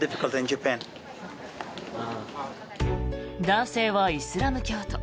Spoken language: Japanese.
男性はイスラム教徒。